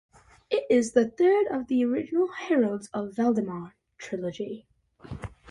It is the third of the original "Heralds of Valdemar" trilogy.